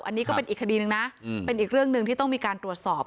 อันนี้ก็เป็นอีกคดีหนึ่งนะเป็นอีกเรื่องหนึ่งที่ต้องมีการตรวจสอบ